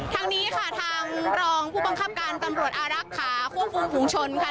ทางนี้ค่ะทางรองผู้บังคับการตำรวจอารักษาควบคุมฝุงชนค่ะ